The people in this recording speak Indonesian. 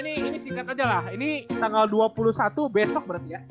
ini singkat aja lah ini tanggal dua puluh satu besok berarti ya